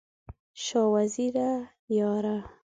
شاه وزیره یاره!